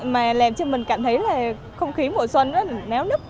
mà làm cho mình cảm thấy là không khí mùa xuân rất là néo nứt